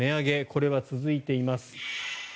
これは続いています。